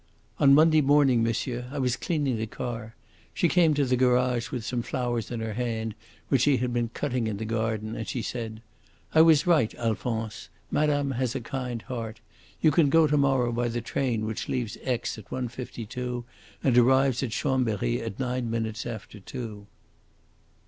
"On Monday morning, monsieur. I was cleaning the car. She came to the garage with some flowers in her hand which she had been cutting in the garden, and she said: 'I was right, Alphonse. Madame has a kind heart. You can go to morrow by the train which leaves Aix at 1.52 and arrives at Chambery at nine minutes after two.'"